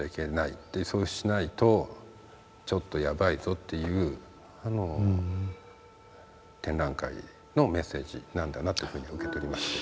そしてそうしないとちょっとやばいぞっていう展覧会のメッセージなんだなっていうふうに受け取りました。